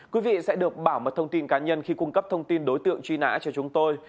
quý vị sẽ được bảo mật thông tin cá nhân khi cung cấp thông tin đối tượng truy nã cho chúng tôi